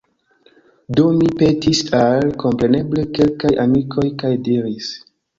Do mi petis al, kompreneble, kelkaj amikoj, kaj diris: